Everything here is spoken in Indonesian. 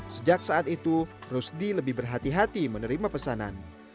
sejak saat itu rusdi lebih berhati hati menerima pesanan